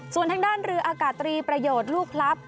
ส่วนทางด้านเรืออากาศตรีประโยชน์ลูกพลับ